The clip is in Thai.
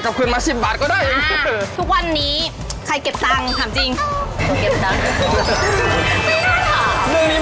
เด็กเดินมาอย่างนี้๑๒บาทเดินนี้